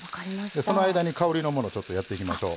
その間に香りのものやっていきましょう。